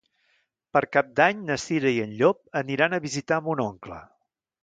Per Cap d'Any na Cira i en Llop aniran a visitar mon oncle.